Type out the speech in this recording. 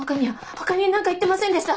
他に何か言ってませんでした